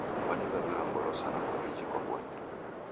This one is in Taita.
Kwanivavira ngolo sana kwa iji kwabonya.